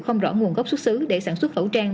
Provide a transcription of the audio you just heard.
không rõ nguồn gốc xuất xứ để sản xuất khẩu trang